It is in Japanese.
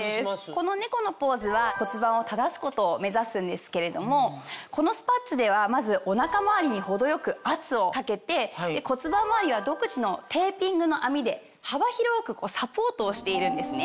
この猫のポーズは骨盤を正すことを目指すんですけれどもこのスパッツではまずお腹周りに程よく圧をかけて骨盤周りは独自のテーピングの編みで幅広くサポートをしているんですね。